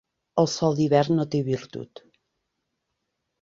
El sol d'hivern no té virtut.